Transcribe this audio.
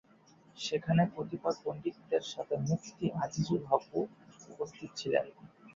সেখানে কতিপয় পণ্ডিতদের সাথে মুফতি আজিজুল হক’ও উপস্থিত ছিলেন।